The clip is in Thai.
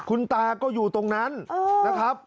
คุณตาก็อยู่ตรงนั้นนะครับ